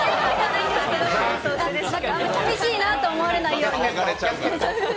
寂しいなと思われないように。